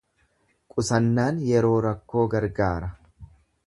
Qusannaan yeroo rakkoo gargaara.